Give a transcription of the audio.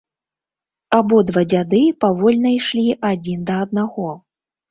Абодва дзяды павольна ішлі адзін да аднаго.